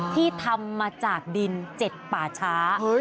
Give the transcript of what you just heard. ที่ทำมาจากดิน๗ป่าช้า